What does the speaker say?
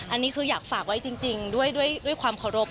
อันนี้คืออยากฝากไว้จริงด้วยความเคารพ